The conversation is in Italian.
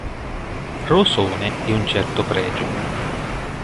Rosone di un certo pregio.